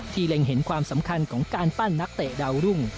เล็งเห็นความสำคัญของการปั้นนักเตะดาวรุ่ง